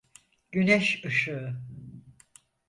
Güneş ışığı.